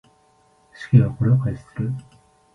死刑はこれを廃止する。